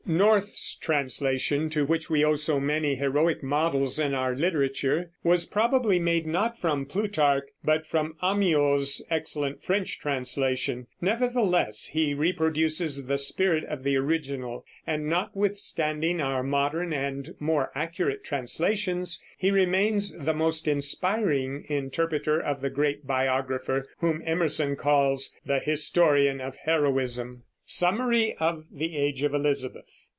North's translation, to which we owe so many heroic models in our literature, was probably made not from Plutarch but from Amyot's excellent French translation. Nevertheless he reproduces the spirit of the original, and notwithstanding our modern and more accurate translations, he remains the most inspiring interpreter of the great biographer whom Emerson calls "the historian of heroism." SUMMARY OF THE AGE OF ELIZABETH.